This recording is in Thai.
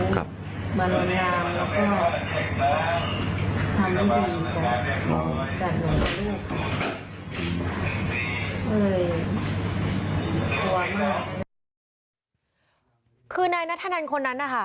คือนายนานทนนรคนนั้น